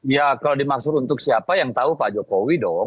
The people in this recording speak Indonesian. ya kalau dimaksud untuk siapa yang tahu pak jokowi dong